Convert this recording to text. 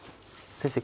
先生